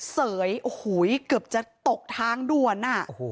เสยเกือบจะตกทางด่วน